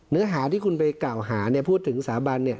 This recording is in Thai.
เนื้อหาที่คุณไปกล่าวหาเนี่ยพูดถึงสถาบันเนี่ย